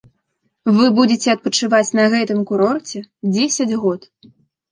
Вы будзеце адпачываць на гэтым курорце дзесяць год.